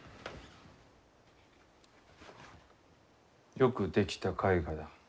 よく出来た絵画だ。